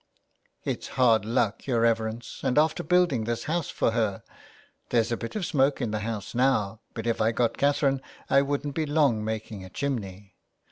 " It's hard luck, your reverence, and after building this house for her. There's a bit of smoke in the house now, but if I got Catherine I wouldn't be long making a chimney.